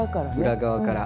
裏側から。